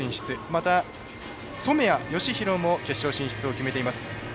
また染谷佳大も決勝進出を決めています。